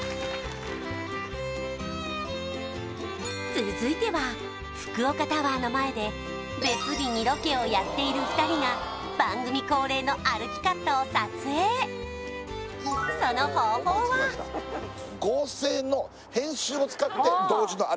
続いては福岡タワーの前で別日にロケをやっている２人が番組恒例の歩きカットを撮影どうかな？